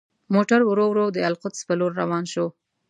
موټر ورو ورو د القدس په لور روان شو.